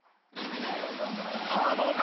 さあどうか？